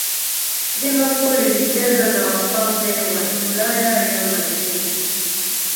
liverpool ilicheza na wafalme wa ulaya real madrid